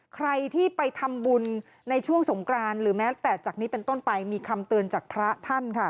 ใครที่ไปทำบุญในช่วงสงกรานหรือแม้แต่จากนี้เป็นต้นไปมีคำเตือนจากพระท่านค่ะ